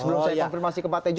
sebelum saya konfirmasi ke pak tejo